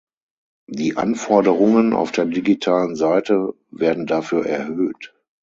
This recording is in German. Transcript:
Die Anforderungen auf der digitalen Seite werden dafür erhöht.